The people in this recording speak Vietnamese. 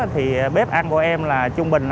thì bếp ăn của em là trung bình